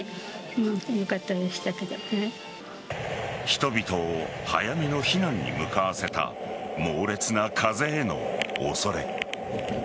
人々を早めの避難に向かわせた猛烈な風への恐れ。